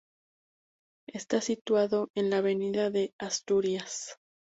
Está situado en la Avenida de Asturias.